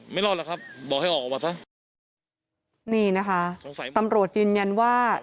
ไม่รอดแล้วครับบอกให้ออกมาซะนี่นะคะสงสัยตำรวจยืนยันว่า